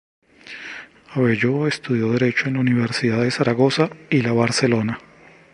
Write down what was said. Abelló estudió derecho en la Universidad de Zaragoza y la Barcelona.